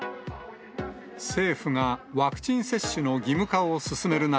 政府が、ワクチン接種の義務化を進める中、